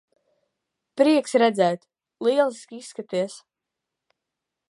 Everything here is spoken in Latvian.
Prieks redzēt. Lieliski izskaties.